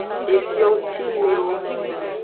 Efio ngcimewo.